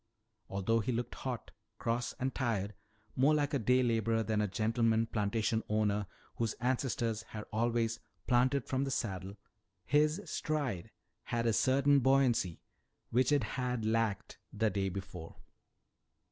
Although he looked hot, cross, and tired, more like a day laborer than a gentleman plantation owner whose ancestors had always "planted from the saddle," his stride had a certain buoyancy which it had lacked the day before.